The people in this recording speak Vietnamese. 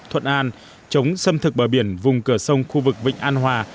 thuận an chống xâm thực bờ biển vùng cửa sông khu vực vịnh an hòa